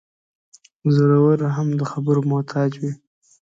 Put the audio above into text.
زورور هم د خبرو محتاج وي.